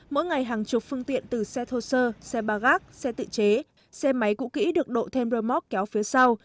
mỗi ngày hàng chục phương tiện từ xe thô sơ xe ba gác xe tự chế xe máy cũ kỹ được độ thêm rơ móc kéo phía sau